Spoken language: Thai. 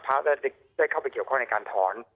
พระอาทิตย์ได้เข้าไปเกี่ยวข้องในการถอน